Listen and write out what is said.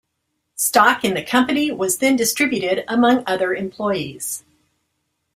Stock in the company was then distributed among other employees.